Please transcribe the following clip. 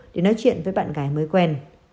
để nói chuyện với bạn gái mới quen